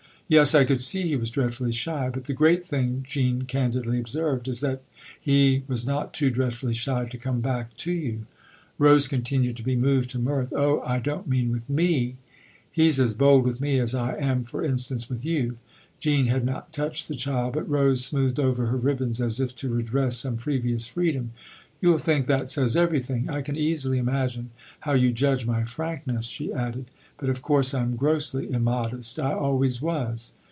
"Yes I could see he was dreadfully shy. But the great thing," Jean candidly observed*, " is that he was not too dreadfully shy to come back to you." Rose continued to be moved to mirth. " Oh, I don't mean with me I He's as bold with me as I am for instance with you." Jean had riot touched the child, but Rose smoothed our her ribbons as if to redress some previous freedom. " You'll think that says everything. I can easily imagine how you judge my frankness," she added. " But of course I'm grossly immodest I always was."